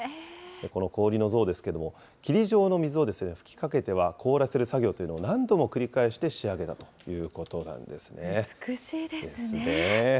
この氷の像ですけれども、霧状の水を吹きかけては凍らせる作業というのを何度も繰り返して仕上げたということなんですね。